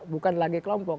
bukan lagi kelompok